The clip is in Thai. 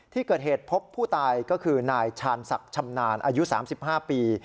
ที่เกิดเหตุพบผู้ตายก็คือนายชาญศักดิ์ชำนาญอายุ๓๕ปี